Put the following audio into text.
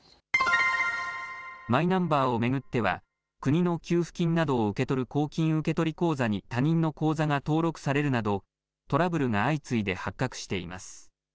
マイナンバーを巡っては、国の給付金などを受け取る公金受取口座に他人の口座が登録されるなど、トラブルが相次いで発覚しています。